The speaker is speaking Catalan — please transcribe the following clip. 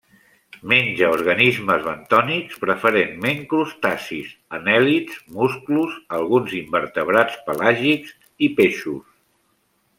Menja organismes bentònics, preferentment crustacis, anèl·lids, musclos, alguns invertebrats pelàgics i peixos.